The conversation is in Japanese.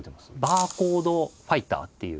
「バーコードファイター」っていう。